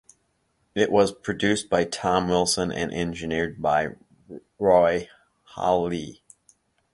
It was produced by Tom Wilson and engineered by Roy Halee.